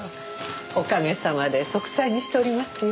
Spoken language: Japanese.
おかげさまで息災にしておりますよ。